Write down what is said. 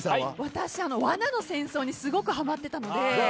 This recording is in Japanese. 私『罠の戦争』にすごくはまってたので。